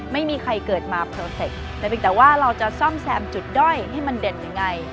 ไม่มีใครเกิดมาแต่ว่าเราจะซ่อมแซมจุดด้อยให้มันเด่นยังไง